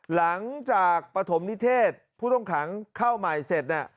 หลังจากปฐมนิเทศผู้ต้องขังเข้าใหม่เสร็จ